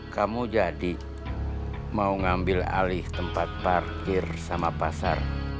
kamu jadi mau ngambil alih tempat parkir sama pasar